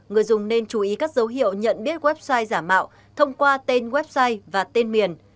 người dùng nên chú ý các dấu hiệu nhận biết website giả mạo thông qua tên website và tên miền